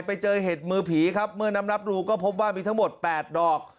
ไปเจอเห็ดมือผีครับเมื่อน้ำรับรู้ก็พบว่ามีทั้งหมด๘ดอก